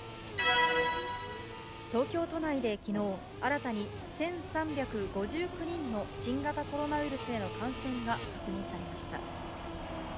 東京都内できのう、新たに１３５９人の新型コロナウイルスへの感染が確認されました。